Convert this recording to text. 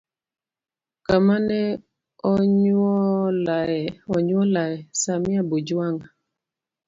Kama ne onyuolae: samia bujwanga